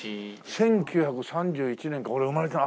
１９３１年か俺生まれてない。